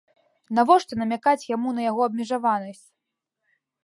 Навошта намякаць яму на яго абмежаванасць?